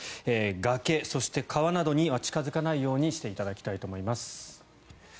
崖、そして川などには近付かないようにしていただきたいと思います。